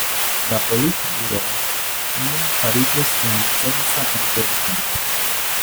La Politburoo nun fariĝas la recenza aŭtoritato.